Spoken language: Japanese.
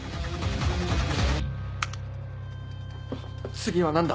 次は何だ？